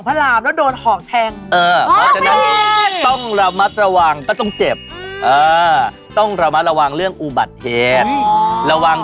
พระรักษ์ก็คือเป็นน้องของพระรามแล้วโดนหอกแทง